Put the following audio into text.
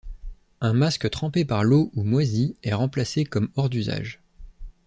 Un masque trempé par l’eau ou moisi est remplacé comme hors d’usage.